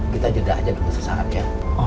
kita jeda aja dulu sesarannya